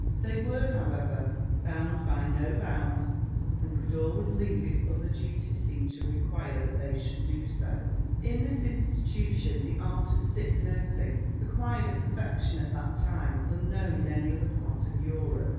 They were, however, bound by no vows, and could always leave if other duties seemed to require that they should do so. In this institution the art of sick nursing acquired a perfection at that time unknown in any other part of Europe.